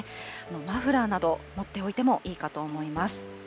マフラーなど、持っておいてもいいかと思います。